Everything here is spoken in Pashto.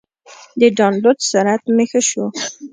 د ډاونلوډ سرعت مې ښه شو.